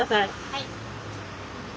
はい。